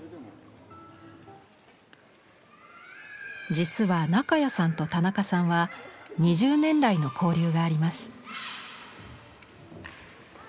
実は中谷さんと田中さんは２０年来の交流があります。